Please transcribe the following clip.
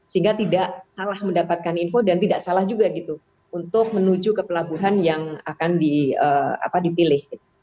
sehingga tidak salah mendapatkan info dan tidak salah juga gitu untuk menuju ke pelabuhan yang akan dipilih